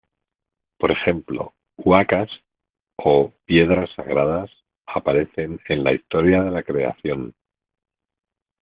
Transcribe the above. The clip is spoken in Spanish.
Por ejemplo, "huacas" o piedras sagradas aparecen en la historia de la creación.